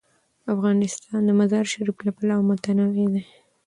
افغانستان د مزارشریف له پلوه متنوع دی.